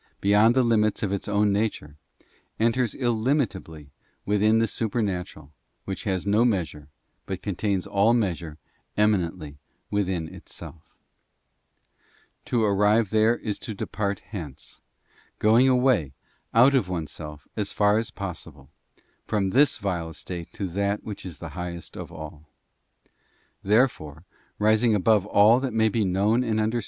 ii. 9. CHAP. 64 THE ASCENT OF MOUNT CARMEL. BOOK beyond the limits of its own nature, enters illimitably within the supernatural, which has no measure, but contains. all measure eminently within itself. To arrive there is to depart hence, going away, out of oneself, as far as possible, from this vile estate to that which is the highest of all. Therefore, rising above all that may be known and under